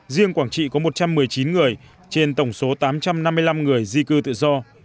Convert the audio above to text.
riêng quảng trị có một trăm một mươi chín người trên tổng số tám trăm năm mươi năm người di cư tự do